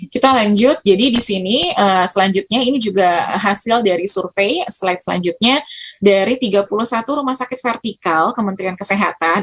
kita lanjut jadi di sini selanjutnya ini juga hasil dari survei slide selanjutnya dari tiga puluh satu rumah sakit vertikal kementerian kesehatan